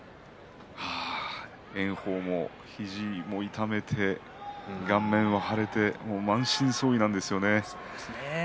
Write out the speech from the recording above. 炎鵬も肘を痛めて顔面が腫れてもう満身創いなんですよね。